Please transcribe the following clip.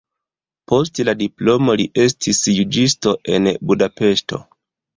Post la diplomo li estis juĝisto en Budapeŝto.